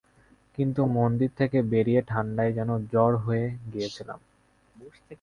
কিন্তু মন্দির থেকে বেরিয়ে ঠাণ্ডায় যেন জড় হয়ে গিয়েছিলাম।